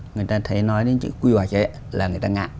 người ta thấy nói đến những quy hoạch ấy là người ta ngại